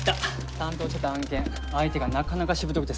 担当してた案件相手がなかなかしぶとくてさ。